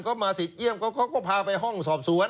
ก็มาสิเยี่ยมก็พาไปห้องสอบสวน